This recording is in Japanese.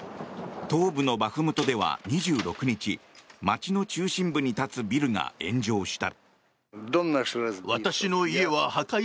東部のバフムトでは２６日街の中心部に立つビルが炎上した。